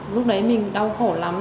lúc đấy mình đau khổ lắm